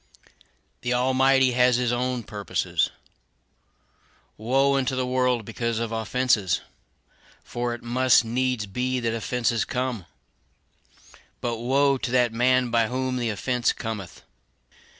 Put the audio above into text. The Almighty has his own purposes. "Woe unto the world because of offenses! for it must needs be that offenses come; but woe to that man by whom the offense cometh."